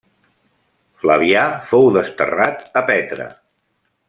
Flavià fou desterrat a Petra.